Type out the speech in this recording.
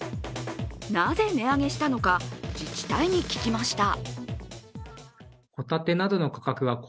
なぜ値上げしたのか自治体に聞きました。